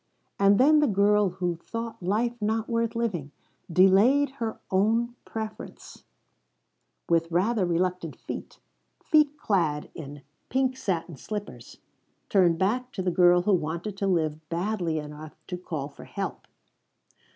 And then the girl who thought life not worth living, delaying her own preference, with rather reluctant feet feet clad in pink satin slippers turned back to the girl who wanted to live badly enough to call for help.